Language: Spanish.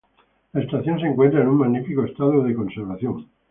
La estación se encuentra en un magnífico estado de conservación.